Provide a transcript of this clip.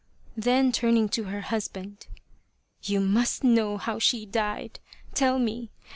Then turning to her husband :" You must know how she died. Tell me